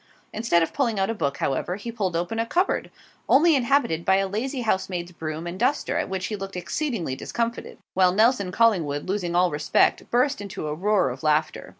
Instead of pulling out a book, however, he pulled open a cupboard, only inhabited by a lazy housemaid's broom and duster, at which he looked exceedingly discomfited; while Nelson Collingwood, losing all respect, burst into a roar of laughter.